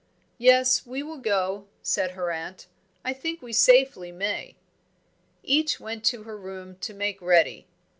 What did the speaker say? "Yes, we will go," said her aunt. "I think we safely may." Each went to her room to make ready.